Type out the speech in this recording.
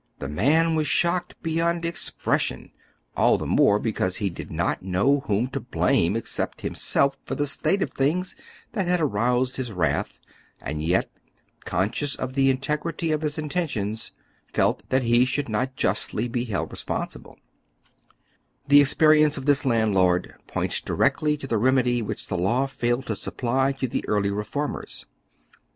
The man was shocked beyond expression, all the more because he did not know whom to blame except himself for the state of things that had aroused his wrath, and yet, conscious of the integrity of his intentions, felt that he should not justly be held The experience of this landlord points directly to the I'emedy which the law failed to supply to the early re formers.